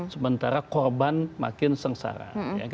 sementara korban makin sengsara